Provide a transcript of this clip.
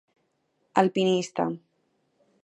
Alpinista.